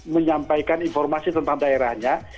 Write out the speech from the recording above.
menyampaikan informasi tentang daerahnya